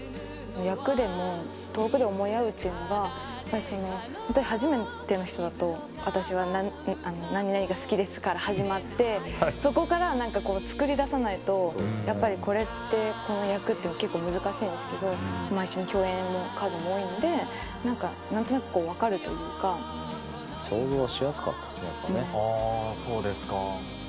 役でも遠くで思い合うというのが、やっぱり、本当に初めての人だと、私は何々が好きですから始まって、そこからなんかこう、作り出さないと、やっぱりこれって、この役って結構難しいんですけれども、一緒に共演の数も多いので、なんか、なんとなく分かるという想像はしやすかったね、そうですか。